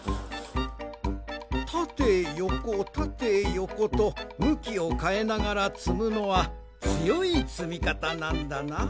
たてよこたてよことむきをかえながらつむのはつよいつみかたなんだなあ。